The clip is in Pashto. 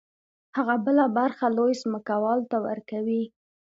هغه بله برخه لوی ځمکوال ته ورکوي